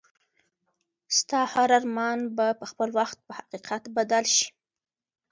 ستا هر ارمان به په خپل وخت په حقیقت بدل شي.